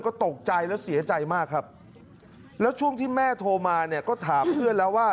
ก็ตกใจแล้วเสียใจมากครับแล้วช่วงที่แม่โทรมาเนี่ยก็ถามเพื่อนแล้วว่า